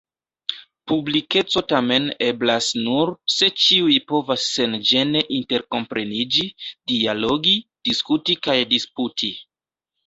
Publikeco tamen eblas nur, se ĉiuj povas senĝene interkompreniĝi, dialogi, diskuti kaj disputi.